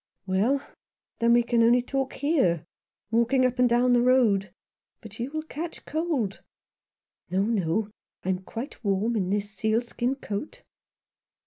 "Well, then we can only talk here — walking up and down the road. But you will catch cold." " No, no ; I am quite warm in this sealskin coat."